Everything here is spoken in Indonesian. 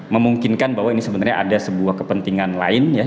memungkinkan bahwa ini sebenarnya ada sebuah kepentingan lain ya